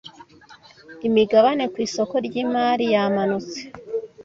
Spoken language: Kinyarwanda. imigabane kwisoko ryimari yamanutse